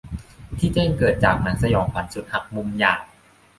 ที่แจ้งเกิดจากหนังสยองขวัญสุดหักมุมอย่าง